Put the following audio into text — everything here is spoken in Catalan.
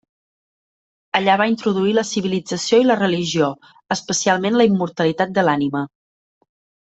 Allà va introduir la civilització i la religió, especialment la immortalitat de l'ànima.